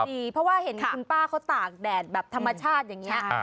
ดีเพราะว่าเห็นคุณป้าเขาตากแดดแบบธรรมชาติอย่างนี้